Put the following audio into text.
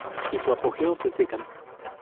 En su apogeo, se secan.